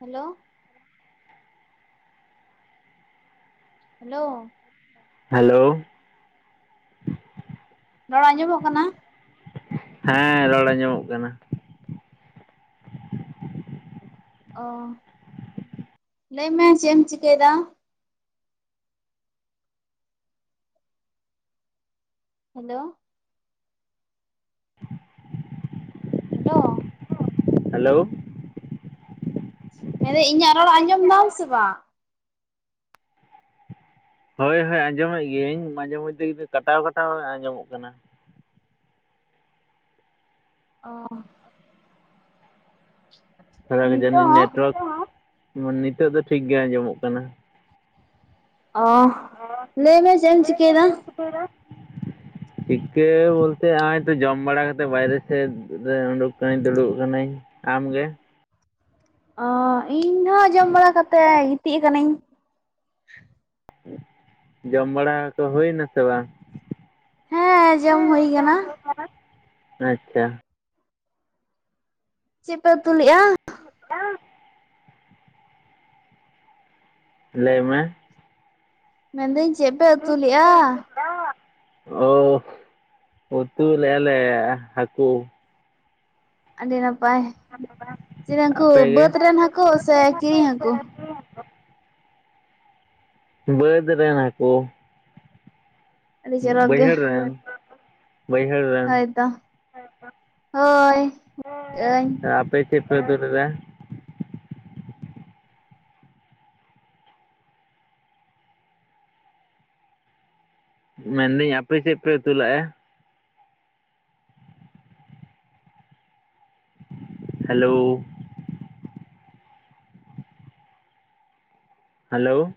Hello. Hello. Hello. ᱨᱚᱲ ᱟᱸᱡᱚᱢᱚᱜ ᱠᱟᱱᱟ? ᱦᱮᱸ ᱨᱚᱲ ᱧᱟᱢᱚᱜ ᱠᱟᱱᱟ᱾ ᱚᱹ ᱞᱟᱹᱭ ᱢᱮ ᱪᱮᱫ ᱮᱢ ᱪᱤᱠᱟᱹᱭᱮᱫᱟ? ᱦᱮᱞᱳ᱾ ᱦᱮᱞᱳ᱾ ᱦᱮᱞᱳ᱾ ᱢᱮᱱ ᱫᱟ ᱤᱧᱟᱹᱜ ᱨᱚᱲ ᱟᱸᱡᱚᱢ ᱫᱟᱢ ᱥᱮ ᱵᱟᱝ? ᱦᱳᱭ ᱦᱳᱭ ᱟᱸᱡᱚᱢᱮᱫ ᱜᱤᱭᱟᱹᱟᱹᱧ ᱢᱟᱡᱷᱮ ᱢᱚᱫᱽᱫᱷᱮ ᱠᱟᱴᱟᱣ ᱠᱟᱴᱟᱣ ᱟᱸᱡᱚᱢᱚᱜ ᱠᱟᱱᱟ᱾ ᱚᱻ ᱱᱤᱛᱚᱜ [unintelligible] ᱦᱚᱸ ᱱᱮᱴᱳᱣᱟᱨᱠ ᱱᱤᱛᱚᱜ ᱫᱚ ᱴᱷᱤᱠ ᱜᱮ ᱟᱸᱡᱚᱢᱚᱜ ᱠᱟᱱᱟ᱾ ᱚ ᱞᱟᱹᱭ ᱢᱮ ᱪᱮᱫ ᱮᱢ ᱪᱤᱠᱟᱹᱭᱫᱟ? [unintelligible] ᱪᱤᱠᱟᱹ ᱵᱚᱞᱛᱮ ᱟᱜᱭ-ᱜᱚᱭ ᱛᱚ ᱡᱚᱢ ᱵᱟᱲᱟ ᱠᱟᱛᱮ ᱵᱟᱭᱨᱮ ᱥᱮᱫ ᱨᱮ ᱩᱰᱩᱠ ᱟᱠᱟᱱᱟᱹᱧ ᱫᱩᱲᱩᱵ ᱠᱟᱱᱟᱹᱧ᱾ ᱟᱢ ᱜᱮ? ᱚᱻ ᱤᱧ ᱦᱚᱸ ᱡᱚᱢ ᱵᱟᱲᱟ ᱠᱟᱛᱮ ᱜᱤᱛᱤᱡ ᱠᱟᱱᱟᱹᱧ᱾ ᱡᱚᱢ ᱵᱟᱲᱟ ᱠᱚ ᱦᱩᱭ ᱱᱟ ᱥᱮ ᱵᱟᱝ? ᱦᱮᱸ ᱡᱚᱢ ᱦᱳᱭ ᱠᱟᱱᱟ᱾ ᱟᱪᱪᱷᱟ᱾ ᱪᱮᱫ ᱯᱮ ᱩᱛᱩ ᱞᱮᱫ-ᱟ? [unintelligible] ᱞᱟᱹᱭ ᱢᱮ ᱢᱮᱱᱫᱟᱹᱧ ᱪᱮᱫ ᱯᱮ ᱩᱛᱩ ᱞᱮᱫ-ᱟ? ᱚᱳ ᱩᱛᱩ ᱞᱮᱜ ᱼᱟ ᱞᱮ ᱦᱟᱹᱠᱩ᱾ ᱟᱹᱰᱤ ᱱᱟᱯᱟᱭ, ᱪᱮ ᱱᱩᱠᱩ ᱟᱯᱮ ᱜᱮ ᱨᱮᱱ ᱥᱮ ᱠᱤᱨᱤᱧ ᱦᱟᱹᱠᱩ ᱵᱟᱹᱫᱽ ᱨᱮᱱᱟ ᱦᱟᱹᱠᱳ᱾ ᱟᱹᱰᱤ ᱪᱚᱨᱚᱠ ᱜᱮ ᱵᱟᱭᱦᱟᱹᱲ ᱨᱮᱱ᱾ ᱵᱟᱭᱦᱟᱹᱲ ᱨᱮᱱ᱾ ᱦᱳᱭᱛᱚ ᱦᱳᱭ ᱟᱹᱧ ᱟᱯᱮ ᱪᱮᱫ ᱯᱮ ᱩᱛᱩ ᱞᱮᱫᱟ? ᱢᱮᱱᱫᱟᱹᱧ ᱟᱯᱮ ᱪᱮᱫ ᱯᱮ ᱩᱛᱩᱞᱟᱜ-ᱟ? ᱦᱟᱞᱳ ᱾ ᱦᱟᱞᱳ᱾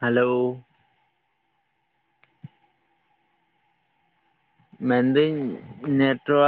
ᱦᱟᱞᱳ᱾ ᱢᱮᱱᱫᱟᱹᱧ ᱱᱮᱴᱣᱟᱨᱠ